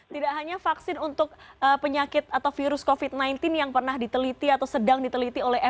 tidak hanya vaksin untuk penyakit atau virus covid sembilan belas yang pernah diteliti atau sedang diteliti oleh